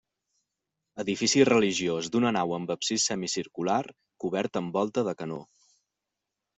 Edifici religiós, d'una nau amb absis semicircular, cobert amb volta de canó.